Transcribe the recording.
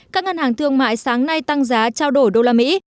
các ngân hàng thương mại sáng nay tăng giá trao đổi đô la mỹ